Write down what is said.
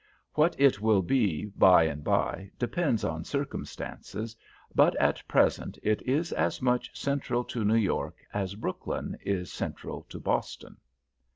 What it will be by and by depends on circumstances; but at present it is as much central to New York as Brookline is central to Boston.